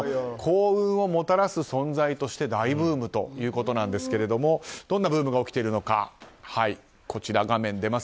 幸運をもたらす存在として大ブームということなんですがどんなブームが起きているのか。